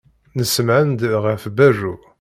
Nessemɛen-d ɣef berru.